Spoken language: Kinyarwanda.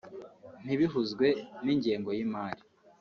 ntibihuzwe n’ingengo y’imari